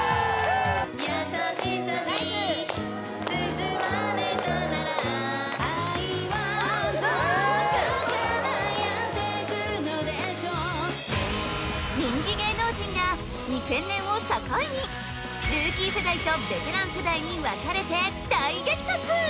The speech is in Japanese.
やさしさに包まれたなら愛はどこからやってくるのでしょう人気芸能人が２０００年を境にルーキー世代とベテラン世代に分かれて大激突！